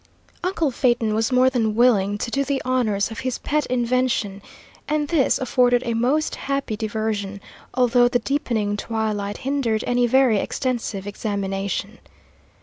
Uncle Phaeton was more than willing to do the honours of his pet invention, and this afforded a most happy diversion, although the deepening twilight hindered any very extensive examination.